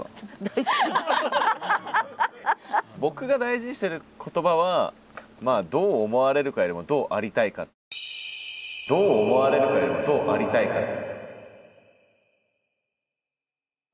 僕が大事にしてる言葉は「どう思われるかよりどうありたいか」。って僕約束してもいいぐらい。